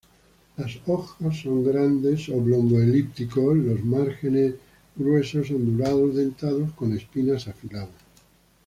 Las hojas son grandes, oblongo-elípticos, los márgenes gruesos, ondulado-dentados con espinas afiladas.